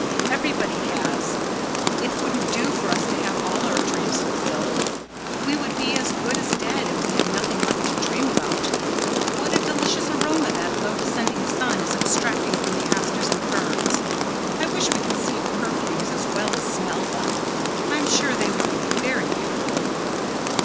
Everybody has. It wouldn't do for us to have all our dreams fulfilled. We would be as good as dead if we had nothing left to dream about. What a delicious aroma that low descending sun is extracting from the asters and ferns. I wish we could see perfumes as well as smell them. I'm sure they would be very beautiful."